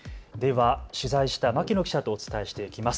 取材した牧野記者とお伝えしていきます。